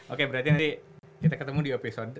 oke berarti nanti kita ketemu di episode